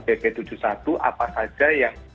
bp tujuh puluh satu apa saja yang